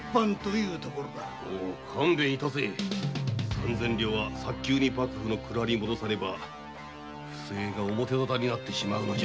三千両は早く幕府の蔵に戻さねば不正は表ざたになってしまうのだ。